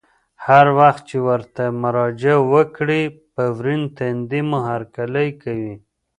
هر وخت چې ورته مراجعه وکړه په ورین تندي مو هرکلی کوي.